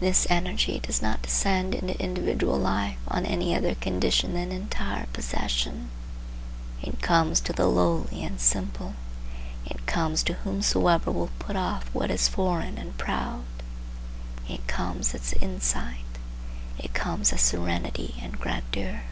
This energy does not descend into individual life on any other condition than entire possession. It comes to the lowly and simple; it comes to whomsoever will put off what is foreign and proud; it comes as insight; it comes as serenity and grandeur.